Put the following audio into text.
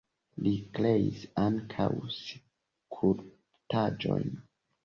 Li kreis ankaŭ skulptaĵojn.